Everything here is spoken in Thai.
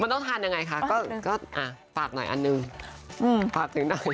มันต้องทานยังไงคะก็ฝากหน่อยอันหนึ่งฝากถึงหน่อย